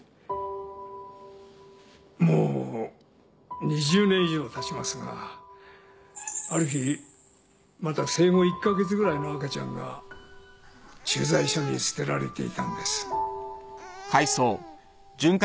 もう２０年以上たちますがある日まだ生後１カ月ぐらいの赤ちゃんが駐在所に捨てられていたんです。